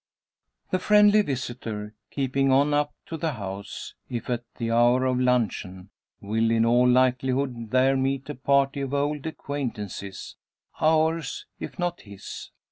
The friendly visitor keeping on up to the house, if at the hour of luncheon, will in all likelihood there meet a party of old acquaintances ours, if not his.